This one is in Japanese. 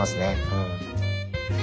うん。